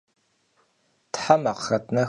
Them axhret nexu khırit!